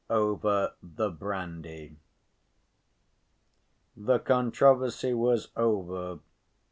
Over The Brandy The controversy was over.